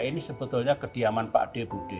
ini sebetulnya kediaman pak d dan bu d